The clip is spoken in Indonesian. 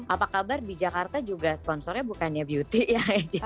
apa kabar di jakarta juga sponsornya bukannya beauty ya